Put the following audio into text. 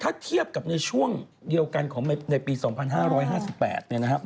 ถ้าเทียบกับในช่วงเดียวกันของในปี๒๕๕๘เนี่ยนะครับ